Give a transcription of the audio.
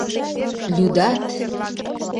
Лӱдат!